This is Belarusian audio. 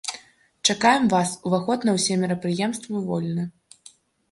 Чакаем вас, уваход на ўсе мерапрыемствы вольны!